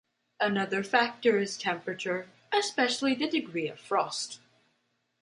Another factor is temperature, especially the degree of frost.